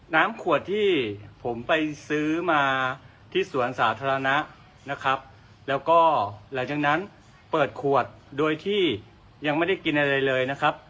น้ำขวดที่ผมไปซื้อมาที่สวนสาธารณะนะครับแล้วก็หลังจากนั้นเปิดขวดโดยที่ยังไม่ได้กินอะไรเลยนะครับ